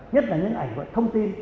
nhất là những ảnh gọi là thông tin